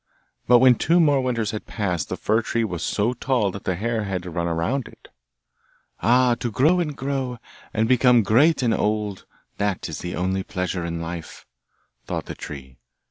But when two more winters had passed the fir tree was so tall that the hare had to run round it. 'Ah! to grow and grow, and become great and old! that is the only pleasure in life,' thought the tree.